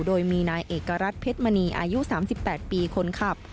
โดยมีนายเอกรัฐเพชรมณีอายุ๓๘ปีคนขับ